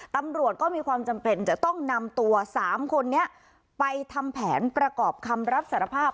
ตำรวจก็มีความจำเป็นจะต้องนำตัว๓คนนี้ไปทำแผนประกอบคำรับสารภาพ